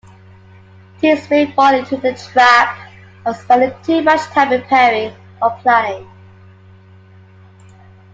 Teams may fall into the trap of spending too much time preparing or planning.